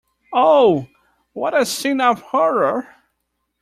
Oh, what a scene of horror!